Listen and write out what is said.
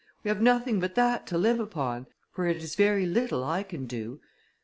We have nothing but that to live upon, for it is very little I can do.